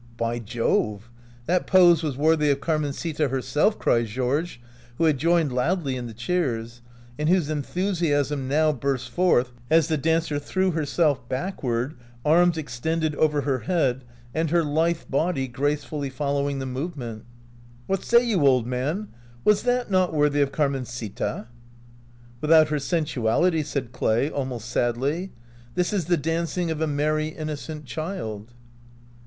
"By Jove! that pose was worthy of Car mencita herself," cried Georges, who had joined loudly in the cheers, and whose en thusiasm now burst forth as the dancer threw herself backward, arms extended over her head, and her lithe body gracefully fol lowing the movement. " What say you, old man, was that not worthy of Carmencita? "" Without her sensuality," said. Clay, al most sadly. "This is the dancing of a merry, innocent child."